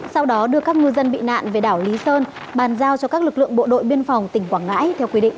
sau đó đưa các ngư dân bị nạn về đảo lý sơn bàn giao cho các lực lượng bộ đội biên phòng tỉnh quảng ngãi theo quy định